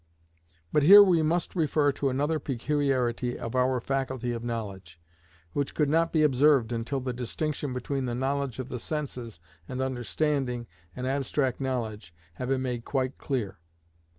But here we must refer to another peculiarity of our faculty of knowledge, which could not be observed until the distinction between the knowledge of the senses and understanding and abstract knowledge had been made quite clear.